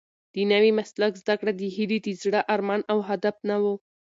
د نوي مسلک زده کړه د هیلې د زړه ارمان او هدف نه و.